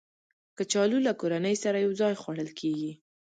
کچالو له کورنۍ سره یو ځای خوړل کېږي